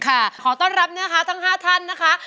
ขอต้อนรับนะคะทั้ง๕ท่านนะคะ